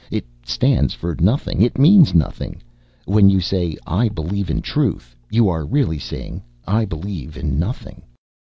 It stands for nothing. It means nothing. When you say 'I believe in Truth' you are really saying 'I believe in nothing'."